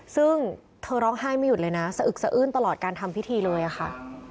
ซึ่งเธอร้องไห้ไม่หยุดเลยนะสะอึกสะอื้นตลอดการทำพิธีเลยค่ะ